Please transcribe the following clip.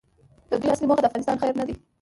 د دوی اصلي موخه د افغانستان خیر نه دی.